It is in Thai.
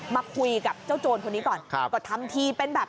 มาคุยกับเจ้าโจรคนนี้ก่อนครับก็ทำทีเป็นแบบ